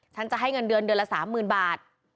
ฉันจะให้เงินเดือนเดือนละ๓๐๐๐บาท